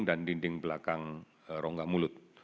dan dinding belakang rongga mulut